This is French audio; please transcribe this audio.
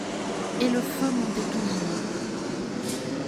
Et le feu montait toujours.